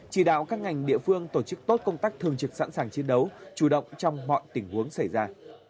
chỉ đạo các ngành địa phương tổ chức tốt công tác thường trực sẵn sàng chiến đấu chủ động trong mọi tình huống xảy ra